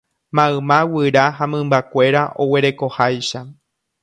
Mayma guyra ha mymbakuéra oguerekoháicha.